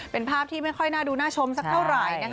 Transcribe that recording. เป็นภาพที่ไม่ค่อยน่าดูน่าชมสักเท่าไหร่